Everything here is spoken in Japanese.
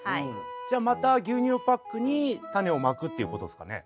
じゃあまた牛乳パックにタネをまくっていうことですかね？